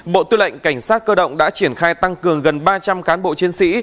bộ tư lệnh cảnh sát cơ động đã triển khai tăng cường gần ba trăm linh cán bộ chiến sĩ